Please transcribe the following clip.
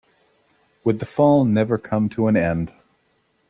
Would the fall never come to an end!